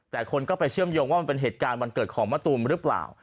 แต่คนก็ไปเชื่อมโยงว่ามันเป็นเหตุการณ์วันเกิดของมะตูมหรือเปล่า